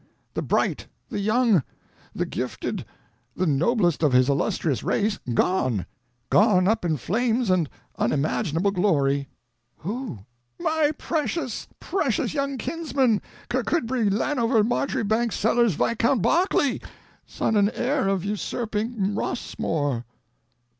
—the bright, the young, the gifted, the noblest of his illustrious race—gone! gone up in flames and unimaginable glory!" "Who?" "My precious, precious young kinsman—Kirkcudbright Llanover Marjoribanks Sellers Viscount Berkeley, son and heir of usurping Rossmore."